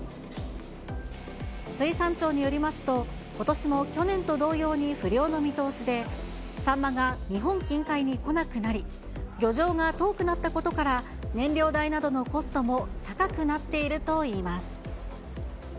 水産庁によりますと、ことしも去年と同様に不漁の見通しで、サンマが日本近海に来なくなり、漁場が遠くなったことから、燃料代などのコストも高くなっているといいます。